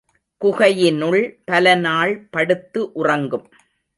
குகையினுள் பல நாள் படுத்து உறங்கும்.